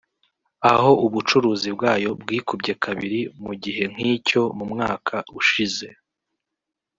aho ubucuruzi bwayo bwikubye kabiri mu gihe nk’icyo mu mwaka ushize